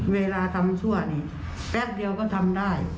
เวลาทำชั่วนี่แป๊บเดียวก็ทำได้